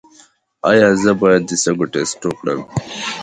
ایا زه باید د سږو ټسټ وکړم؟